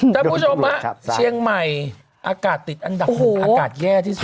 ท่านผู้ชมครับเชียงใหม่อากาศติดอันดับแย่ที่สุด